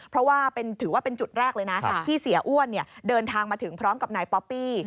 เพราะว่าถือว่าเป็นจุดแรกเลยนะที่เสียอ้วนเดินทางมาถึงพร้อมกับนายป๊อปปี้